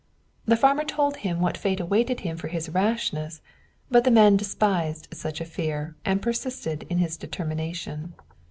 The farmer told him what fate awaited him for his rashness; but the man despised such a fear, and persisted in his determination.